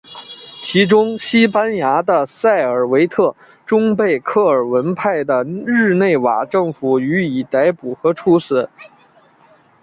其中西班牙的塞尔维特终被克尔文派的日内瓦政府予以逮捕和处死。